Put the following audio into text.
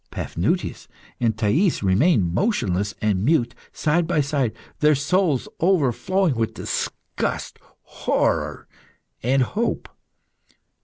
Paphnutius and Thais remained motionless and mute, side by side, their souls overflowing with disgust, horror, and hope.